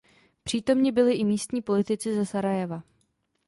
Přítomni byli i místní politici ze Sarajeva.